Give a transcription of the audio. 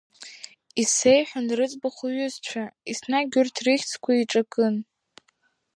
Исеиҳәон рыӡбахә иҩызцәа, Еснагь урҭ рыхьӡқәа иҿакын…